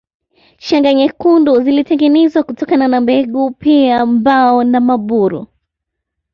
Shanga nyekundu zilitengenezwa kutokana na mbegu pia mbao na maburu